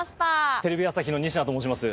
テレビ朝日の仁科と申します。